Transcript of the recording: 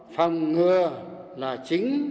phòng ngừa là chính